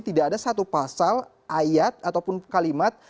tidak ada satu pasal ayat ataupun kalimat